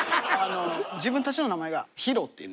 自分たちの名前がＨＩＲＯっていう。